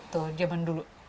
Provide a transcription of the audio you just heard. tuh zaman dulu